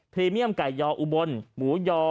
รีเมียมไก่ยออุบลหมูยอ